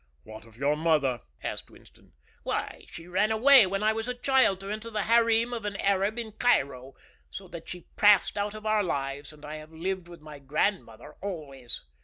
"What of your mother?" asked Winston. "Why, she ran away when I was a child, to enter the harem of an Arab in Cairo, so that she passed out of our lives, and I have lived with my grandmother always."